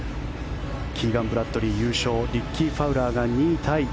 キーガン・ブラッドリー、優勝リッキー・ファウラーが２位タイ。